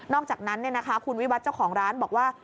อกจากนั้นคุณวิวัตรเจ้าของร้านบอกว่า